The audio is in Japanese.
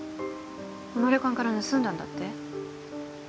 この旅館から盗んだんだって？